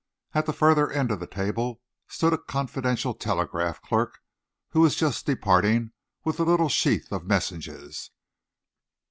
At the further end of the table stood a confidential telegraph clerk, who was just departing with a little sheaf of messages.